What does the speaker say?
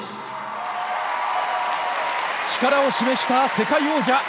力を示した世界王者。